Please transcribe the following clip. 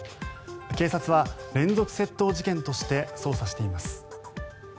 警察は連続窃盗事件として捜査しています。